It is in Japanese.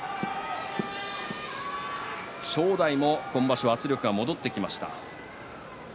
正代も今場所は圧力が戻ってきました。